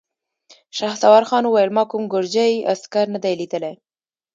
شهسوارخان وويل: ما کوم ګرجۍ عسکر نه دی ليدلی!